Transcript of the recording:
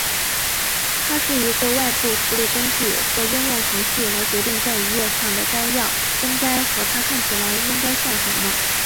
它是一个外部处理工具或应用程序来决定在一页上的摘要应该和它看起来应该像什么。